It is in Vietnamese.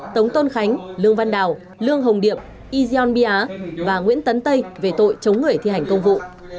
tống tôn khánh lương văn đào lương hồng điệp izon bia và nguyễn tấn tây về tội chống người thi hành công vụ